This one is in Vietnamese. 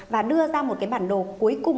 và đưa ra một cái bản đồ cuối cùng